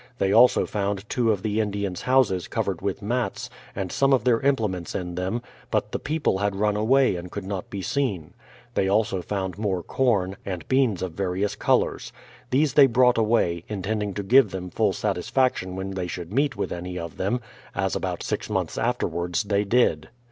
They also found two of the Indians' houses covered with mats, and some of their implements in them; but the people had run away and could not be seen. They also found more corn, and beans of various colours. These they brought away, intending to give them full satisfaction when they should meet with any of them, — as about six months afterwards they did.